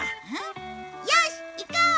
よし行こう！